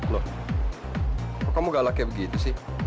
loh kok kamu galak kayak begitu sih